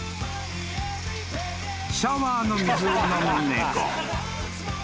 ［シャワーの水を飲む猫］